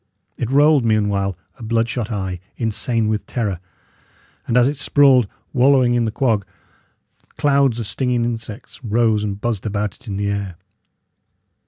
It rolled, meanwhile, a blood shot eye, insane with terror; and as it sprawled wallowing in the quag, clouds of stinging insects rose and buzzed about it in the air.